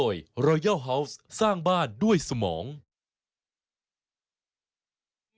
ชูเว็ตตีแสดหน้า